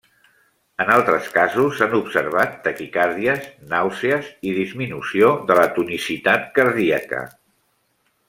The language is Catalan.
En altres casos s'han observat taquicàrdies, nàusees i disminució de la tonicitat cardíaca.